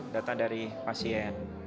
data dari pasien